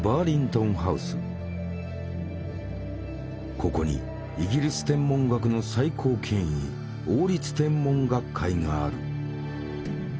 ここにイギリス天文学の最高権威王立天文学会がある。